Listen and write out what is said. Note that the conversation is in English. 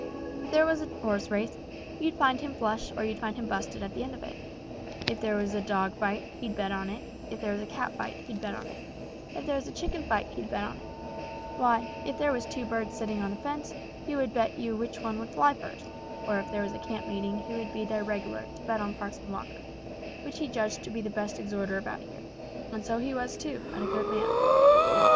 If there was a horse race, you'd find him flush or you'd find him busted at the end of it; if there was a dog fight, he'd bet on it; if there was a cat fight, he'd bet on it; if there was a chicken fight, he'd bet on it; why, if there was two birds setting on a fence, he would bet you which one would fly first; or if there was a camp meeting he would be there reg'lar to bet on Parson Walker, which he judged to be the best exhorter about here, and so he was too, and a good man.